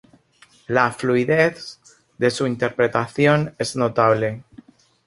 La fluidez de su interpretación es notable.